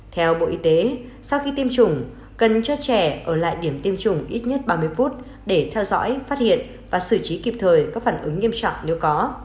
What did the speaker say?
theo bộ y tế sau khi tiêm chủng cần cho trẻ ở lại điểm tiêm chủng ít nhất ba mươi phút để theo dõi phát hiện và xử trí kịp thời các phản ứng nghiêm trọng nếu có